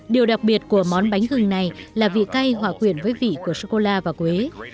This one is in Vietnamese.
điều đặc biệt của món bánh gừng này là vị cay hỏa quyển với vị của sô cô la và quế